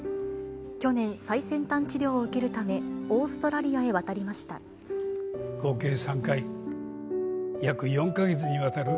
去年、最先端治療を受けるため、オーストラリアへ渡りました。